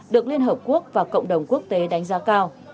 được liên hợp quốc và cộng đồng quốc tế đánh giá cao